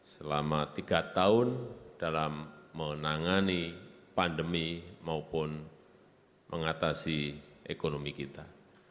selama tiga tahun dalam menangani pandemi maupun mengatasi ekonomi kita